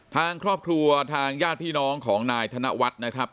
ทางครอบครัวทางญาติพี่น้องของนายธนวัฒน์นะครับ